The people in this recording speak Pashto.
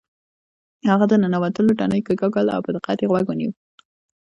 هغه د ننوتلو تڼۍ کیکاږله او په دقت یې غوږ ونیو